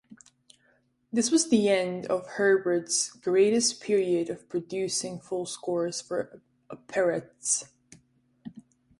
This was the end of Herbert's greatest period of producing full scores for operettas.